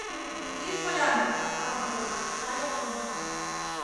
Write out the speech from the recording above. Ит коляне, Акпатыр он, сай оптымо.